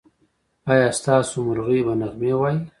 ایا ستاسو مرغۍ به نغمې وايي؟